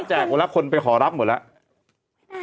หมดแล้วคนไปขอรับหมดแล้ว